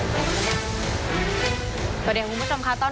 สวัสดีครับคุณผู้ชมค่ะต้อนรับเข้าที่วิทยาลัยศาสตร์